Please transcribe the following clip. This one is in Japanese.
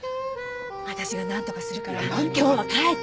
私が何とかするから今日は帰って。